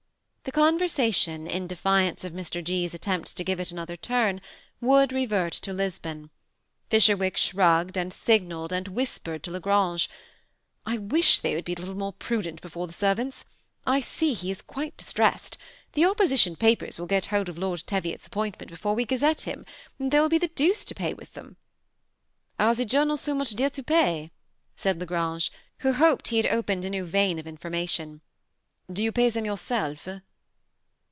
The conversation, in defiance of Mr. G.*s attempts to give it another turn, would revert to Lisbon. Fisher wick shrugged and signalled and fidgeted, and whis pered to La Grange, ^ I wish they would be a little more prudent before the servants. I see he is quite distressed. The opposition papers will get hold of Lord Teviot's appointment before we gazette him, and there will be the deuce to pay with theip." ^ Are the journals so much dear to pay ?" said La Grange, who hoped he had opened a new vein of in formation. "Do you pay them yourself?"